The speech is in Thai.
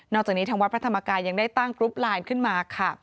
จากนี้ทางวัดพระธรรมกายยังได้ตั้งกรุ๊ปไลน์ขึ้นมาค่ะ